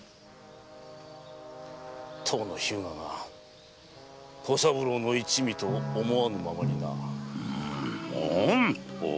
当の日向が小三郎の一味と思わぬままにな。何と！